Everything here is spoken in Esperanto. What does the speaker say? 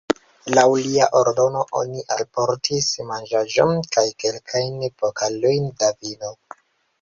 Laŭ lia ordono oni alportis manĝaĵon kaj kelkajn pokalojn da vino.